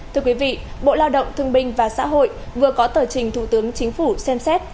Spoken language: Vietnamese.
thưa quý vị bộ lao động thương binh và xã hội vừa có tờ trình thủ tướng chính phủ xem xét